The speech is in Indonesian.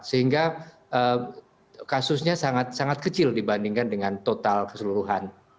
sehingga kasusnya sangat sangat kecil dibandingkan dengan total keseluruhan